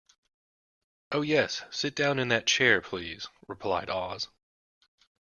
"Oh, yes; sit down in that chair, please," replied Oz.